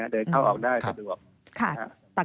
เดินเข้าออกได้สะดวก